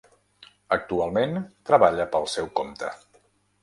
Actualment treballa pel seu compte.